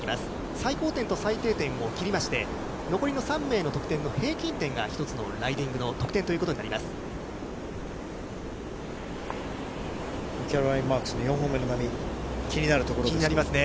最高点と最低点を切りまして、残りの３名の得点の平均点が一つのライディングの得点ということキャロライン・マークスの４気になりますね。